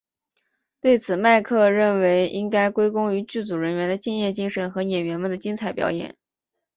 对此麦克认为应该归功于剧组人员的敬业精神和演员们的精彩表演。